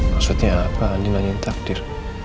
maksudnya apa adil nanya takdir